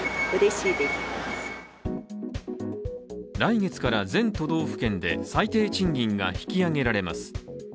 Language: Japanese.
来月から全都道府県で最低賃金が引き上げられます。